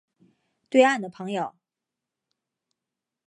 对岸的朋友